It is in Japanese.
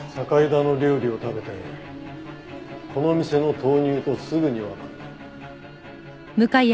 堺田の料理を食べてこの店の豆乳とすぐにわかった。